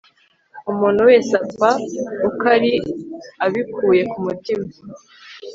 Umuntu wese apfa uko ari abikuye ku mutima